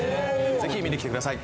ぜひ見に来てください